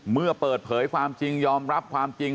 เมื่อเปิดเผยความจริงยอมรับความจริง